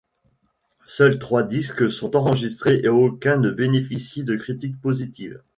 Seuls trois disques sont enregistrés et aucun ne bénéficie de critique positive.